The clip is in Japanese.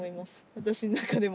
私の中でも。